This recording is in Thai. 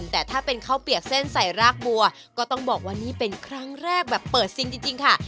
แต่ถ้าเป็นข้าวเปียกเส้นใส่รากบัวก็ต้องบอกว่านี่เป็นครั้งแรกแบบเปิดซิงจริงค่ะ